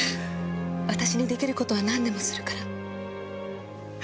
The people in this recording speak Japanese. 私に出来る事は何でもするから。